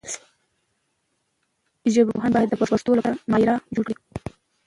ژبپوهان باید د پښتو لپاره معیار جوړ کړي.